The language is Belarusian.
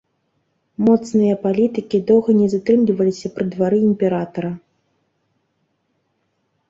Моцныя палітыкі доўга не затрымліваліся пры двары імператара.